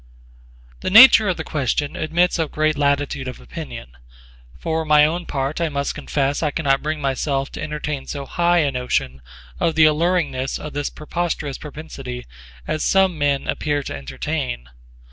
The nature of the question admits of great latitude of opinion: for my own part I must confess I can not bring myself to entertain so high a notion of the alluringness of this preposterous propensity as some men appear to entertain.